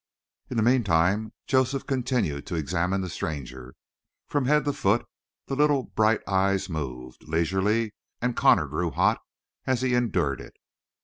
In the meantime Joseph continued to examine the stranger. From head to foot the little, bright eyes moved, leisurely, and Connor grew hot as he endured it.